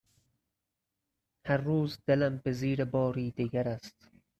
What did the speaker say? هر روز دلم به زیر باری دگر است